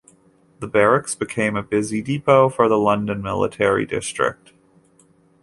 The barracks became a busy depot for the London military district.